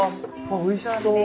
あっおいしそう。